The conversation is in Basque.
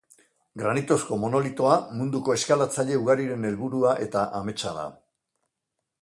Granitozko monolitoa munduko eskalatzaile ugariren helburu eta ametsa da.